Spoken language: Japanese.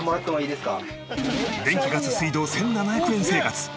電気ガス水道１７００円生活。